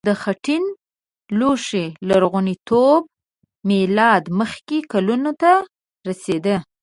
د خټین لوښي لرغونتوب میلاد مخکې کلونو ته رسیده.